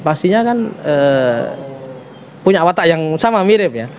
pastinya kan punya watak yang sama mirip ya